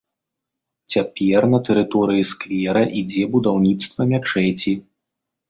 Цяпер на тэрыторыі сквера ідзе будаўніцтва мячэці.